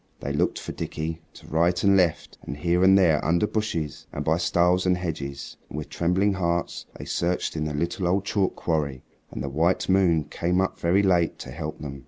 They looked for Dickie to right and left and here and there under bushes, and by stiles and hedges, and with trembling hearts they searched in the little old chalk quarry, and the white moon came up very late to help them.